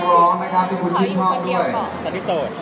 ขออยู่คนเดียวก่อน